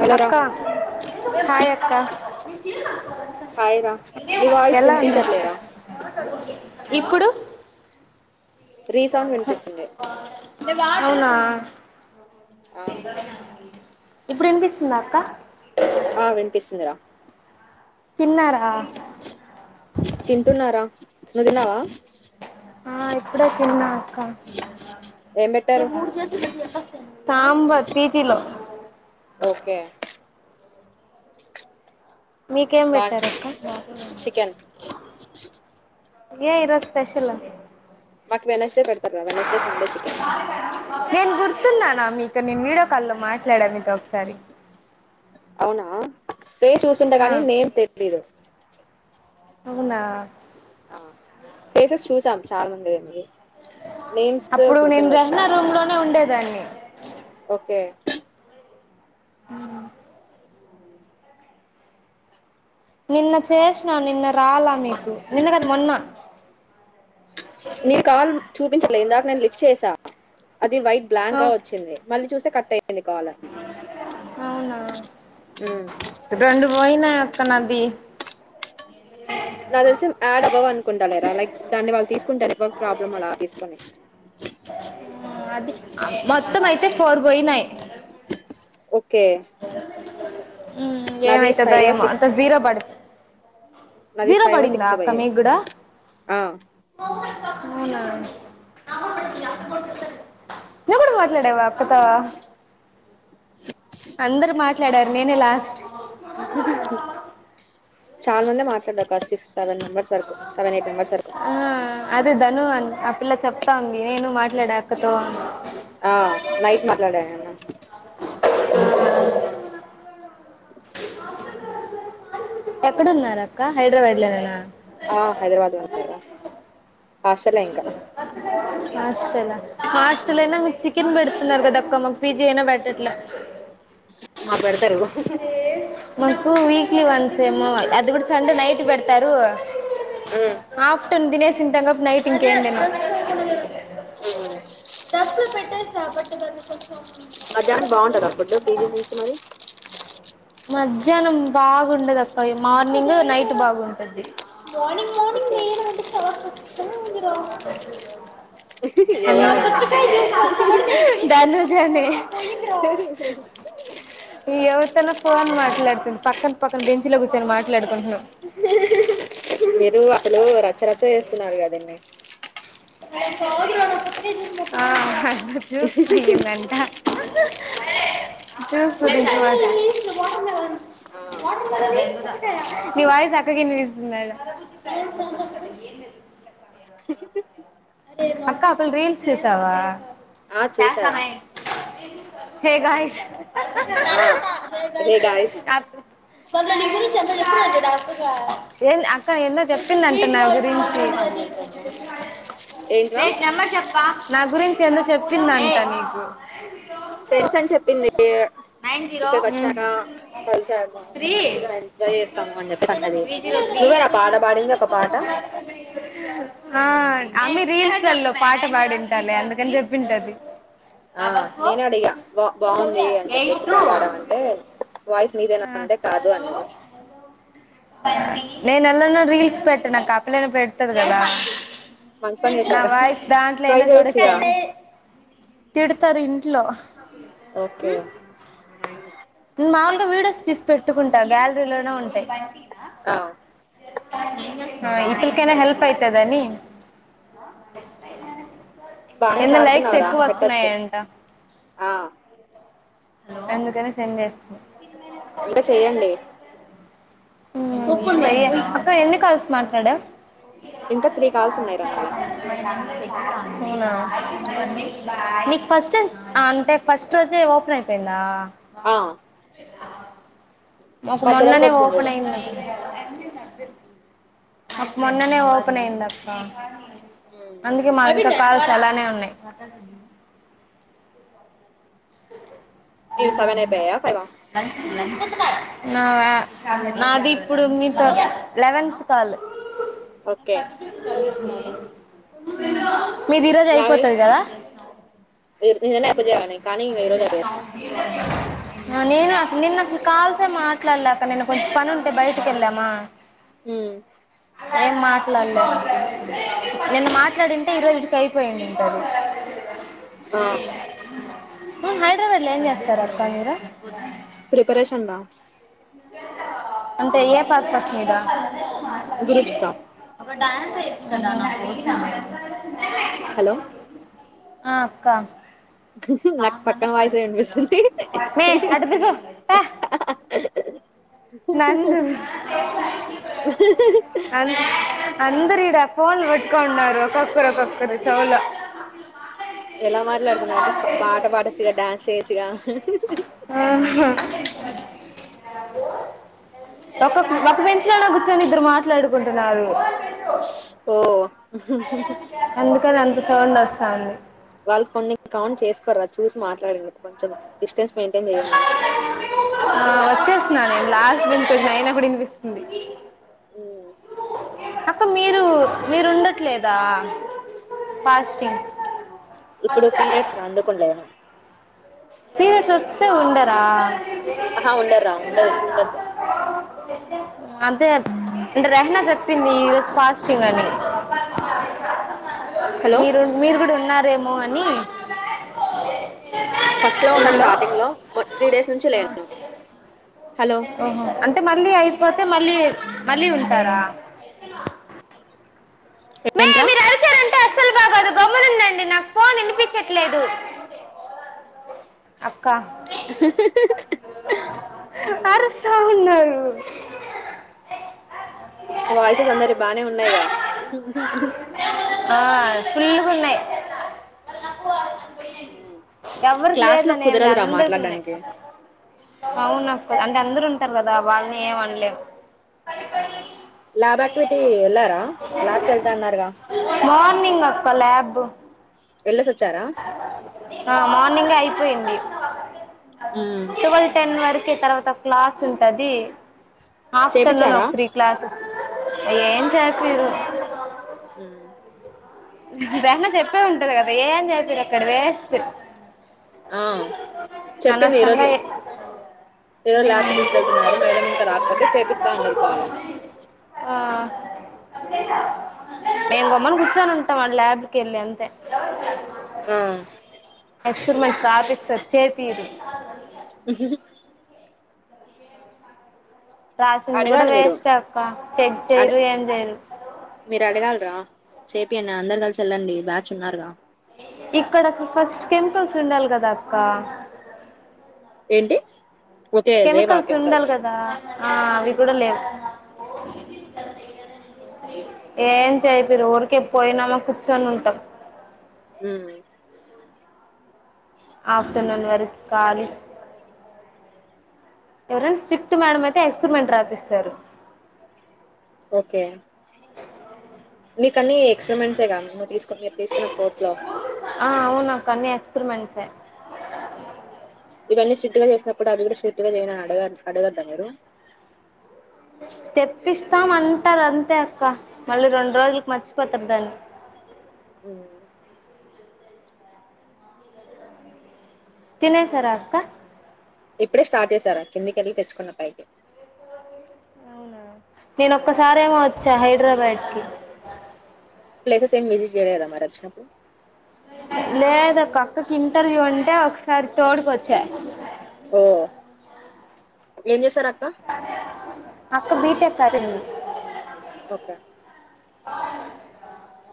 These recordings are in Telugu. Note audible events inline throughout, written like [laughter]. హలో రా అక్క హాయ్ అక్క ఏక హాయ్ రా నీ వాయిస్ ఉన్నా వినిపించట్లేరా ఇప్పుడు రీసౌండ్ వినిపిస్తుంది అవునా ఆ ఇప్పుడు వినిపిస్తుంద అక్క ఆ వినిపిసుందిరా తిన్నారా తింటున్నారా నువ్ తిన్నవా ఆ ఇప్పుడే తిన్నా అక్క ఏం మేము పెట్టారు మూడు చేతులు పెట్టి యేటొస్తాయమి తాంబత్ పీచిలో ఓకే మీకేం బా పెట్టారు అక్క చికెన్ ఏ ఇరోజు స్పెషల మాకు వెనస్డె పెడతారు కదా నెక్స్ట్ డె సండే చికెన్ చెప్తున్నానా మీక నేను వీడియో కాల్లో మాట్లాడా మీతో ఒకసారి అవునా ఫెస్ ఆ చూసుండగాని నేం తెలీదు అవునా ఆ పేసెస్ చూసాం చాల మందే వున్నరు అప్పుడు నేను రహనా రూమ్ లోనే ఉండేదాన్ని ఓకే ఊ నిన్న చేస్ మీర్ కాల్ చూపించట్లే ఇందాక నెన్ లిఫ్ట్ చేసా అది వైట్ బ్లాంక్ గా అవు వచ్చింది మళ్ళీ చూస్తే కట్టే అవునా రెండు పోయిన కనవ్వి నా తెలిసి యాడ్ అవవ్ అనుకుంటా లేరా లైక్ దాన్ని వాళ్ళు తీసుకుంటారెమో ప్రాబ్లం అలా తీసుకోని అది మొత్తం అయితే ఫోర్ పోయినాయి ఒకే ఊ ఏమైతదో ఏమో అంత జీరో పడింది నాది జీరో ఫైవ్ పడింద సిక్స్ అక్క పోయాయి మీకూడా ఆ అవునా ఊ నువ్వు కూడా మాట్లాడేవా అక్కతో అందరు మాట్లాడారు నేనే లాస్ట్ చాలా మంది మాట్లాడారు గసిస్ సెవెన్ మెంబర్స్ వరకు సెవెన్ ఎయిట్ మెంబర్స్ వరకు ఆ, అదే ధను అన్- ఆ పిల్ల చెప్తా ఉంది నేను మాట్లాడ అక్కతో అని ఆ నైట్ మాట్లాడాను అన్న. ఎక్కడున్నారు అక్క హైదరాబాద్ లోనేనా ఆ హైదరాబాద్ లోనే ఆశలే ఇంకా హాస్టల మ్మ్. హాస్టలయినా మీకు చికెన్ పెడత ఉన్నారు కదా అక్క మాకు పీజీ అయిన పెట్టట్ల అ మాకు వి వీక్లీ ఒన్ సెమ్ అది కూడా సండే నైట్ పెడతారు ఉమ్ తినేసింతంగ నైట్ ఇంకేం తినం మ్మ్. డస్క్లొ పెట్టేస్ నా బట్టు తను ఉతో మధ్యాహ్నం బాగుంటాద ఫుడ్ పీజీ నుంచి మరి మధ్యాహ్నం బాగుండదక్క మార్నింగ్ నైట్ బాగుంటది మార్నింగ్ మార్నింగ్ ఓకే నేను ఆంటీ చాల కష్టం టైమ్ ఉందిరా ఎవర్రా అన్న పక్కన ధనుజా నె ఎవరి తోనో ఫోన్ మాట్లాడుతుంది పక్కన పక్కన బెంచిలో కూర్చొని మాట్లాడుకుంటున్నాం మీరు అసలు రచ్చరచ్చ చేస్తున్నారు కదండి ఆ హ హ జాస్ పోయిందంట అహ్ చూసుకుంది నేను తర్వాతే ఆ నీ వాయిస్ అక్కకివినిపిస్తుందంట అక్క అ పిల్ల రీల్స్ చూసావా ఆ చూసారా చేస్తమయ్ హే గాయ్స్ అ హే గాయ్స్ ఎంది అక్క ఏందో చెప్పిందంట నా గురించి ఏంట్రా వే నెమ్మర్ చెప్వా నా గురించి ఎందొ చెప్పిందంట నీకు ఫ్రెండ్స్ అని చెప్పింది ఉమ్ ఇక్కడికి వచ్చాక కలిసాము మంచిగా ఎంజాయ్ చేస్తాము అని చెప్పేసి అన్నది నువ్వేనా పాట పాడింది ఒక పాట ఆ ఆమె రీల్స్లల్లో క పాట పాడింటాది అందుకని జెప్పింటది ఆ నేనె అడ్గా బా బాగుంది అని ఎయిట్ చెప్పేసి టూ బాగ పాడావ్ అంటే వాయిస్ నీదేనా ఉంటే కాదు అన్నది నేన్ ఎల్ల నో రీల్స్ పెట్టనక్కా ఆ పిల్లయిన పెడతది కదా మంచి పన్ నా చేసావు రా వాయిస్ ట్రై దాంట్లోయినా చేయొచ్చుగా తిడుతార్ ఇంట్లో ఓకే మాములుగా వీడోస్ తీసుక్ పెట్టుకుంటా గ్యా ఇంటి లోనే ఉంటయి ఆ ఇట్లకైనా హెల్ప్ అయితదని బాగనే ఎందో లైక్స్ పాడుతున్నావు రా ఎక్కువ పెట్టొచ్చు వస్తున్నాయంట ఆ అందుకనే సెండ్ చేస్ ఇంక చేయండి అక్క ఎన్ని కాల్స్ మాట్లాడావ్ ఇంకా త్రీ కాల్స్ ఉన్నాయిరా నావి ఉమ్, నీక్ ఫస్ట్ అంటే ఫస్ట్ రోజే ఓపెన్ అయిపోయిందా ఆ మాకు మా చెల్లెలకి మొన్ననే వచ్చింది చూడు అప్పులేమి లేదు మొన్ననే ఓపెన్ అయ్యింది అక్క మ్మ్ అందుకె మావింక కాల్స్ అలానే ఉన్నాయ్ మీవి సెవెన్ అయిపోయాయా ఫైవా నాది ఇప్పుడు మీతో లెవెన్త్ కాలు ఓకే ఉ మీది ఈ రోజు అయిపోతది కదా [unintelligible] న్న ఎయిడు చేయ కానీ ఇంక ఈరోజు అ సౌ అపేస్తా [unintelligible] ఉ నేను అసలు నిన్న అసలు కాల్సే మాట్లాడలే అక్క నేను కొంచెం పని ఉంటే బయటికి వెళ్ళామా హ ఏం మాట్లాడలేదు నిన్న మాట్లాడింటే ఈరోజుటికి అయిపోయిండిండేది ఆ హైదరాబాద్ లో ఏం చేస్తారు అక్క మీరు ప్రిపరేషన్ రా అంటే ఏ పర్పస్ మీద గ్రూప్ స్టార్ నువ్వు డాన్స్ వేయచ్చు కదా నాకోసం హలో ఆ అక్క నాకు సాంగ్ అన్నా పక్కన వాయిసే పాడొచ్చు కదా విపిస్తుంది మే అటు దిగు పా నందు అంతి అందరు ఈడ ఫోన్లు వెట్టుకున్నారు ఒక్కొక్కరు ఒక్కొక్కరు చౌలో ఎలా మాట్లాడుతున్నారు అంటే ప పాట పాడొచ్చుగా డ్యాన్స్ చేయొచ్చుగా ఆ హా ఒకక్ ఒక బెంచలోనే కూర్చొని ఇద్దరు మాట్లాడుకుంటున్నారు. ఓ ఒకదందే సౌండ్ వస్తంది వాళ్ళు కొన్ని కౌంట్ చేసుకోర అ చూసి మాట్లాడినవ్ కొంచెం డిస్టెన్స్ మెయింటైన్ చేయండి కొంచెం వినిపిట్లే అయనా కూడా వినిపిస్తుంది ఊ అక్క మీరు మీరు ఉండట్లేదా ఫాస్టింగ్ ఇప్పుడు పీరియడ్స్ రందుకుండేను సీర సొర్సె ఉండరా ఆహ ఉండరా ఉండద్ ఉండద అదే ప్చ్ అంటే రెహనా చెప్పింది ఈ రోజు ఫాస్టింగ్ అని హలో మీరు మీరు కూడా ఉన్నారే మో అని ఫస్ట్లో ఉన్న హలో స్టార్టింగ్లో మో త్రీ డేస్ నుంచి లేను హలో ఓహో అంటే మళ్ళీ అయిపోతే మళ్ళీ మళ్ళీ ఉంటారా ఎక్కినా ఏంట్రా నాగదు గమ్మునుండండి నాకు ఫోన్ వినిపించట్లేదు అప్ క అరుస్తూ ఉన్నారు వాయిసెస్ అందరి బానే ఉన్నాయిగా ఆ ఫుల్ గున్నాయ్ ఎవ్వరికి క్లాస్ లో లేదని ఏమిలే కుదరదురా అందరికి ఉన్నాయి మాట్లాడడానికి అవును నాకు అంటే అందరు ఇస్తారు కదా వాళ్ళని ఏం అనలేం ఆ ల్యాబ్ ఆక్టివిటీ ఎలారా ల్యాబ్ క్ ఎళ్తా అన్నారుగా బా నింగ్ అక్కా ల్యాబు ఏలేసి ఓచ్చారా ఆ మార్నింగే ఐపోయింది. టువెల్ టెన్ వర్. దే తర్వాత క్లాస్ ఉంటది. ఆఫ్టర్నూన్ చేపిచ్చారా ఒక త్రీ క్లాసస్. ఏం చెపీరు. ఉమ్. దన్న చెప్పే ఉంటది గాదా ఏం జేపీరు అక్కడ వేస్ట్. ఆ చెప్పింది అనవసరంగా ఈరోజిగ ఈరోజ్ ల్యాబ్ కి ఉమ్ తీసుకెళ్తున్నారు మేడం ఇంకా రాకపోతే చేపిస్తా అన్నది కాల్. ఆ నేన్గమ్మున కూర్చొను. [inaudible] ఎక్స్పరిమెంట్ రాపిస్తారు చెపీరు. రాసింది గూడా అడగాలి మీరు వేస్ట్ అబ్బా చెక్ చేరు అడ ఏం చైరూ. చేపినా అందరు కలిసి వెళ్లండి బ్యాచ్ ఉన్నారుగా. ఇక్కడ అసలు ఫస్ట్ కెమికల్స్ ఉండాల్ గాదక్కా. ఏంటి. ఓకే రేవా కెమికల్స్ ఉండాలి గదా ఆ అవి గూడా లేవ్. ఏం చెపీరు ఊరికే పోయినామా కూర్చుొనుంటాం. ఉమ్. ఆఫ్టర్నూన్ వరక్ ఖాళీ ఎవరైనా స్ట్రిక్ట్ మేడం ఐతే ఎక్స్పరిమెంట్ రాపిస్తారు. ఒకే. నీకన్నీ ఎక్స్పెరిమెంట్స్. తెగ నువ్. ఆ అవునాకన్ని ఎక్స్పెరిమెంట్స్. స ఇవన్నీ స్ట్రిక్ట్ గా చేసినప్పుడు అది గుడా స్ట్రిక్ట్ గా చేయమని అడగ అడగద్ద మీరు. తెప్పిస్. స్తాం అంటారు అంతే అక్క మళ్ళీ రెండు రోజులకి మర్చిపోతారు దాన్ని. ఉమ్. తినేసారా అక్క. ఇప్పుడే స్టార్ట్ జేసారా కిందికెళ్ళి తెచ్చుకున్న పైకి. నేన్ ఒక్కసారేమో. చ్చ హైదరాబాడ్ కి. సేమ్ మీది చేయాలేదా మరి వచ్చినప్పుడు. లేదక్కా అక్కకి ఇంటర్వ్యూ ఉంటే ఒకసారి తోడుకొచ్చా.. ఓ ఏం చేస్తారు అ. ఆ. అక్క బీటెక్ కదే. ఓకె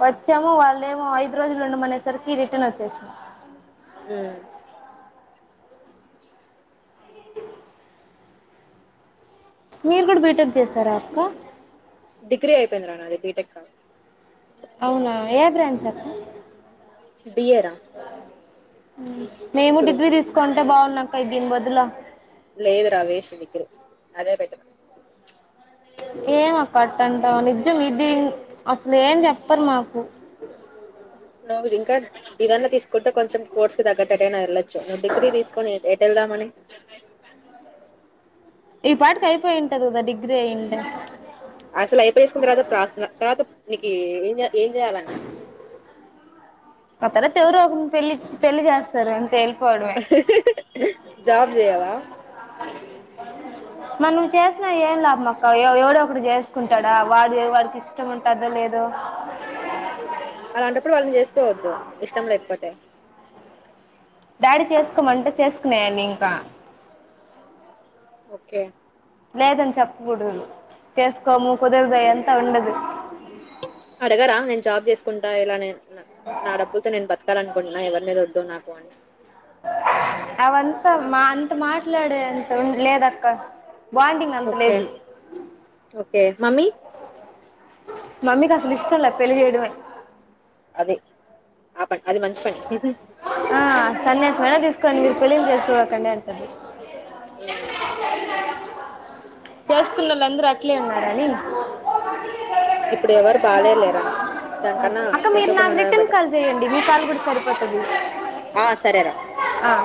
వచ్చాము వాళ్ళేమో ఐదు రోజులు ఉండమనేసరికి రిటర్న్ వచ్చేసాము. హ్మ్ మీరు కూడా బీటెక్ చేసారా అక్క డిగ్రీ అయిపోయింది రా నాది బీటెక్ కాదు అవునా ఏ బ్రాంచ్ అక్క బి ఎ రా మేము డిగ్రీ గ్రూప్ తీసుకుంటే బావున్ను ఆ దీని బదులు లేదురా వేస్ట్ డిగ్రీ అదే బెటర్ ఏం అక్క అట్టంటావు నిజం ఇది అసలు ఏం చెప్పరు మాకు నువ్వు ఇంకా ఇదన్నా తీసుకుంటే కొంచెం కోర్స్ కి తగ్గట్టుగా వెళ్ళొచ్చు నువ్వు డిగ్రీ తీసుకొని ఎ ఎటు వెళ్దామని ఈ పాటికి అయిపోయి ఉంటది కదా డిగ్రీ అయ్యుంటే అసలు [unintelligible] ఫాస్ట్ గా తర్వాత నీక్ ఏం చేయాల్ ఏం చేయాలన్న అక్కడ అయితే ఎవరు ఒకరు పెళ్లి పెళ్లి చేస్తారు అంతే వెళ్ళిపోవడమే జాబ్ చేయవా మనం చేసినా ఏం లాభం అక్క ఎవ ఎవడో ఒకడు చేసుకుంటాడా వాడి వాడికి ఇష్టం ఉంటాదో లేదో అలాంటప్పుడు వాళ్ళని చేసుకోవద్దు ఇష్టం లేకపోతే డాడీ చేసుకోమంటే చేసుకునే [unintelligible] ఇంకా ఓకే లేదని చెప్పకూడదు చేసుకోము కుదరదు అది అంతా ఉండదు అడగరా నేను జాబ్ చేసుకుంటా ఇలా నేను నా నా డబ్బులు తో నేను బతకాలనుకుంటున్న ఎవర్ మీద వద్దు నాకు [inaudible] అవంతా మా అంత మాట్లాడే అంత ఉం లేదక్కా బాండింగ్ అంత ఓకే లేదు ఓకే మమ్మీ మమ్మీకి అసలు ఇష్టం లే పెళ్ళి చేయడమే అదే ఆ పని అది మంచి పని ఆ సన్యాసమైనా తీసుకోండి మీరు పెళ్లిళ్ళు చేసుకోగాకండి అంటారు హ్మ్ చేసుకున్నోళ్ళందరూ అట్లే ఉన్నారని ఇప్పుడు ఎవరు బాలేలేరా దానికన్నా అక్క మీరు చేసుకోకుండా నాకు ఉండడమే రిటర్న్ బెటర్ కాల్ చేయండి మీ కాల్ కూడా సరిపోతుంది ఆ సరేరా ఆ.